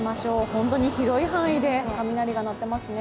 本当に広い範囲で雷が鳴っていますね。